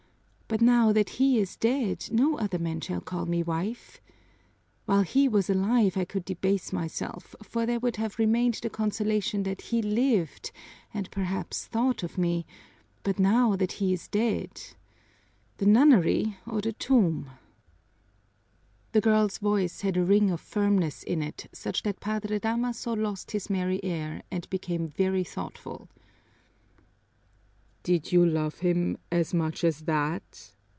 But now that he is dead, no other man shall call me wife! While he was alive I could debase myself, for there would have remained the consolation that he lived and perhaps thought of me, but now that he is dead the nunnery or the tomb!" The girl's voice had a ring of firmness in it such that Padre Damaso lost his merry air and became very thoughtful. "Did you love him as much as that?"